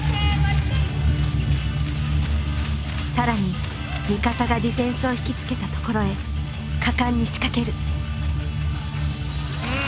更に味方がディフェンスを引き付けたところへ果敢に仕掛ける。